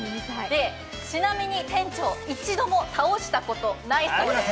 ちなみに店長、一度も倒したことないそうです。